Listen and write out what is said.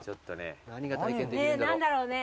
何だろう？